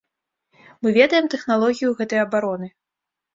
Мы ведаем тэхналогію гэтай абароны.